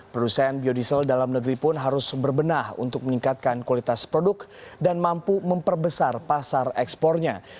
produsen biodiesel dalam negeri pun harus berbenah untuk meningkatkan kualitas produk dan mampu memperbesar pasar ekspornya